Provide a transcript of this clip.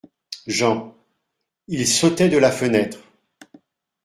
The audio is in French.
JEAN : Il sautait de la fenêtre.